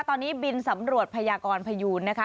ตอนนี้บินสำรวจพยากรพยูนนะคะ